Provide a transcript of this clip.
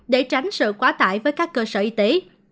để tránh sự quá tải với các cơ sở y tế